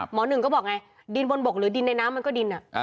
หนึ่งก็บอกไงดินบนบกหรือดินในน้ำมันก็ดิน